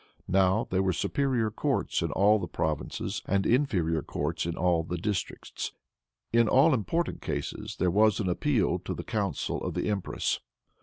Now there were superior courts in all the provinces, and inferior courts in all the districts. In all important cases there was an appeal to the council of the empress.